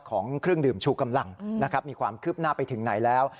ของเครื่องดื่มชูกำลังนะครับมีความคืบหน้าไปถึงไหนแล้ว